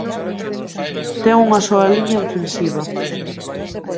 Ten unha soa liña defensiva.